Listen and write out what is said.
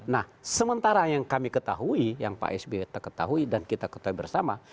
nah sementara yang kami ketahui yang pak sby ketahui dan kita ketahui bersama